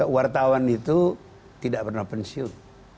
wartawan itu tidak pernah pensiun